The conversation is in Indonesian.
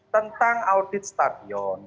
tentang audit stadion